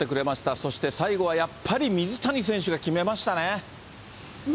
そして最後はやっぱり水谷選手が決めましたね。